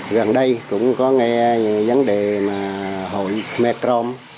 gần đây cũng có nghe những vấn đề mà hội khmer krom